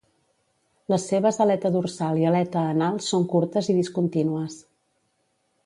Les seves aleta dorsal i aleta anals són curtes i discontínues.